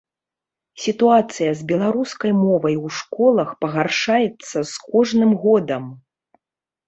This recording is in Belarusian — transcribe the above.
Сітуацыя з беларускай мовай у школах пагаршаецца з кожным годам.